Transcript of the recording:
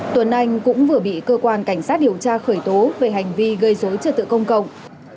tuấn anh cũng vừa bị cơ quan cảnh sát điều tra khởi tố về hành vi gây dối trật tự công cộng